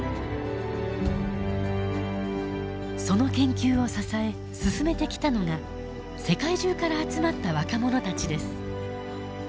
その研究を支え進めてきたのが世界中から集まった若者たちです。